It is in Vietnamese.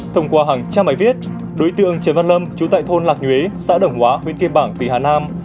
thông qua hàng trăm bài viết đối tượng trần văn lâm chú tại thôn lạc nhuế xã đồng hóa huyện kim bảng tỉnh hà nam